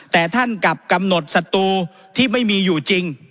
แต่ท่านกลับกำหนดศัตรูที่ไม่มีอยู่จริง